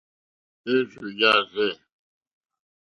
Érzù jârzɛ̂.